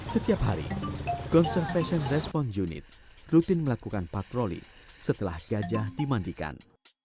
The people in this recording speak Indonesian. setiap hari konservation response unit rutin melakukan patroli setelah gajah dimandikan